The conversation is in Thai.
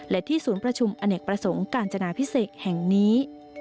และที่ศูนย์ประชุมอเนกประสงค์กาญจนาพิเศษแห่งนี้